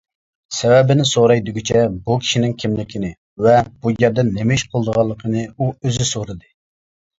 سەۋەبىنى سوراي دېگۈچە بۇ كىشىنىڭ كىملىكىنى ۋە بۇ يەردە نېمە ئىش قىلىدىغانلىقىنى ئۇ ئۆزى سورىدى.